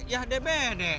yah diare deh